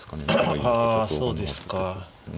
あそうですか。